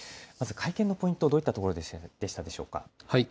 まず会見のポイントどういったところでしょうか。